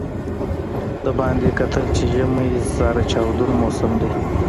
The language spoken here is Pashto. د باندې یې کتل چې ژمی زاره چاودون موسم دی.